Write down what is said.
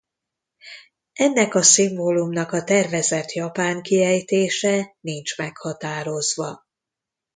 Ennek a szimbólumnak a tervezett japán kiejtése nincs meghatározva.